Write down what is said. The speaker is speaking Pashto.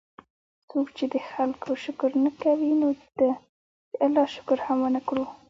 څوک چې د خلکو شکر نه کوي، نو ده د الله شکر هم ونکړو